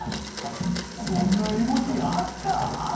そんな絵文字あった？